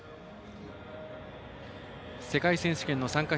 世界選手権の参加